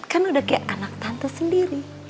kan udah kayak anak tante sendiri